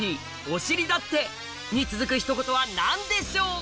「おしりだって」に続くひと言は何でしょう？